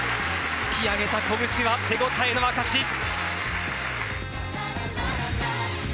突き上げた拳は手応えの証し。